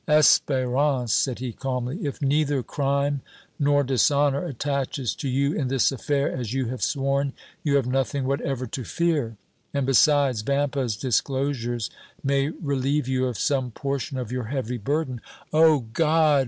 "Espérance," said he, calmly, "if neither crime nor dishonor attaches to you in this affair, as you have sworn, you have nothing whatever to fear, and, besides, Vampa's disclosures may relieve you of some portion of your heavy burden." "Oh! God!"